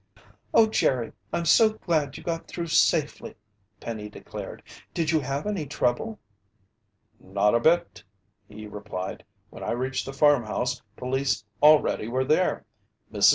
"Oh, Jerry! I'm so glad you got through safely!" Penny declared. "Did you have any trouble?" "Not a bit," he replied. "When I reached the farmhouse, police already were there. Mrs.